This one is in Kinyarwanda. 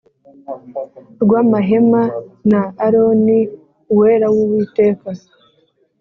Rw amahema na aroni uwera w uwiteka